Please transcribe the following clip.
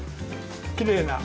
きれいな。